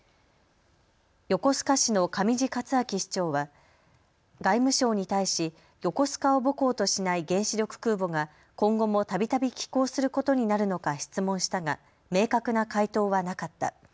横須賀市の上地克明市長は外務省に対し横須賀を母港としない原子力空母が今後もたびたび寄港することになるのか質問したが明確な回答はなかった。